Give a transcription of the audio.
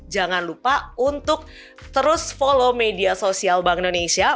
jangan lupa untuk terus follow media sosial bank indonesia